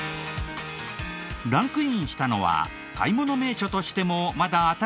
ランクインしたのは買い物名所としてもまだ新しい。